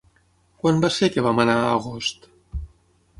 Quan va ser que vam anar a Agost?